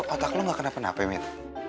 lo otak lo gak kena penah hp mir